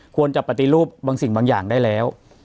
ปฏิรูปบางสิ่งบางอย่างได้แล้ว